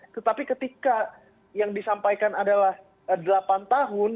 tetapi ketika yang disampaikan adalah delapan tahun